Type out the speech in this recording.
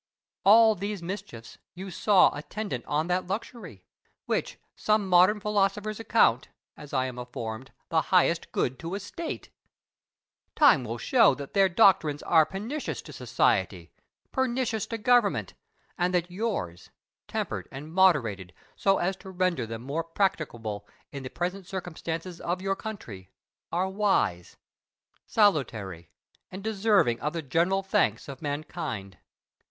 All these mischiefs you saw attendant on that luxury, which some modern philosophers account (as I am informed) the highest good to a state! Time will show that their doctrines are pernicious to society, pernicious to government; and that yours, tempered and moderated so as to render them more practicable in the present circumstances of your country, are wise, salutary, and deserving of the general thanks of mankind.